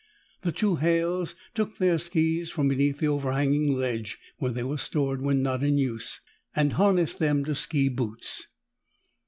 The two Halles took their skis from beneath the overhanging ledge, where they were stored when not in use, and harnessed them to ski boots.